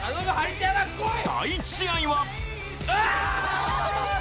第１試合はあぁ！